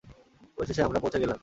অবশেষে, আমরা পৌঁছে গেলাম।